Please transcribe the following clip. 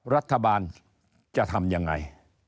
รัฐบาลจะทำยังไง